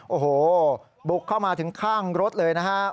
โอ้โหบุกเข้ามาถึงข้างรถเลยนะฮะ